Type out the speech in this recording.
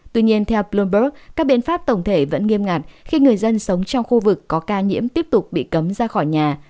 tuy nhiên theo bloomberg các biện pháp tổng thể vẫn nghiêm ngặt khi người dân sống trong khu vực có ca nhiễm tiếp tục bị cấm ra khỏi nhà